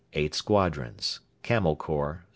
8 squadrons Camel Corps....